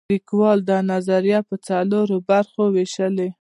لیکوال دا نظریه په څلورو برخو ویشلې.